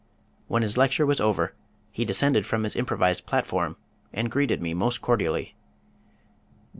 When his lecture was over he descended from his improvised platform and greeted me most cordially.